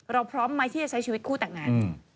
พร้อมไหมที่จะใช้ชีวิตคู่แต่งงาน